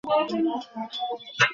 হ্যাঁ, আমি জেগেই থাকি।